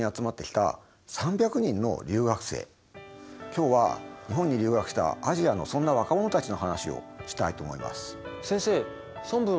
今日は日本に留学したアジアのそんな若者たちの話をしたいと思います。